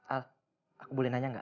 al aku boleh nanya nggak